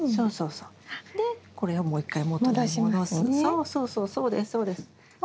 そうそうそうそうですそうです。